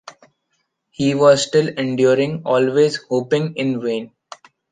He was still enduring, always hoping in vain.